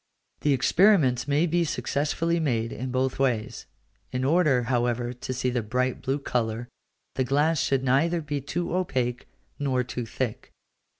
The experiments may be successfully made in both ways: in order, however, to see the bright blue colour, the glass should neither be too opaque nor too thick.